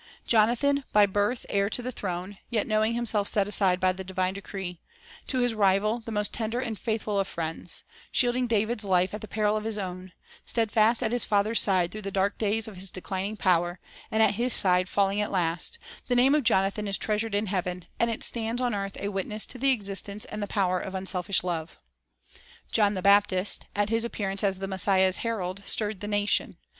Jonathan, by birth heir to the throne, yet knowing himself set aside by the divine decree; to his rival the most tender and faithful of friends, shielding David's life at the peril of his own; steadfast at his father's side through the dark days of his declining power, and at his side falling at the last, — the name of Jonathan is treasured in heaven, and it stands on earth a witness to the existence and the power of unselfish love. John the Baptist, at his appearance as the Messiah's rhe Unwavering herald, stirred the nation.